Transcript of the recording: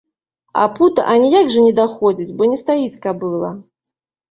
А пута аніяк жа не даходзіць, бо не стаіць кабыла.